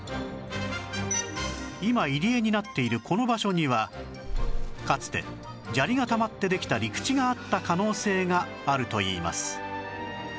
今入り江になっているこの場所にはかつて砂利がたまってできた陸地があった可能性があるといいます